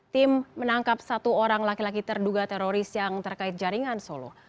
tim menangkap satu orang laki laki terduga teroris yang terkait jaringan solo